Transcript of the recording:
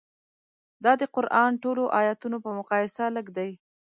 دا د قران ټولو ایتونو په مقایسه لږ دي.